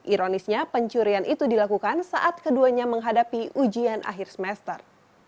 ironisnya pencurian itu dilakukan saat keduanya menghadapi ujian akhir semester